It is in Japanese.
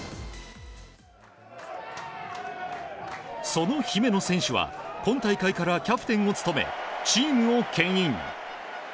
その姫野選手は今大会からキャプテンを務めチームを牽引。